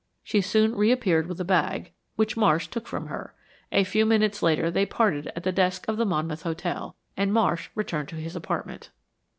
She soon reappeared with a bag, which Marsh took from her. A few minutes later they parted at the desk of the Monmouth Hotel, and Marsh returned to his apartment.